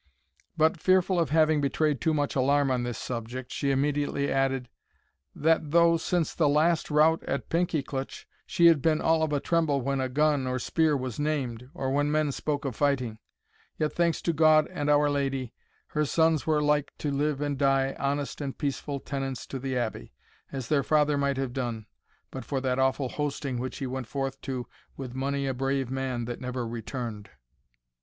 But, fearful of having betrayed too much alarm on this subject, she immediately added, "That though, since the last rout at Pinkiecleuch, she had been all of a tremble when a gun or a spear was named, or when men spoke of fighting; yet, thanks to God and our Lady, her sons were like to live and die honest and peaceful tenants to the Abbey, as their father might have done, but for that awful hosting which he went forth to with mony a brave man that never returned."